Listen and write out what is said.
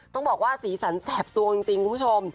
ต้องบอกว่าสีสันแสบตัวจริงคุณผู้ชม